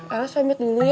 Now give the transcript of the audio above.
eros pamit dulu ya